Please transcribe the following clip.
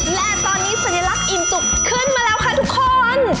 และตอนนี้สัญลักษณ์อิ่มจุกขึ้นมาแล้วค่ะทุกคน